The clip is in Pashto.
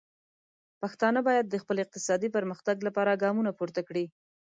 پښتانه باید د خپل اقتصادي پرمختګ لپاره ګامونه پورته کړي.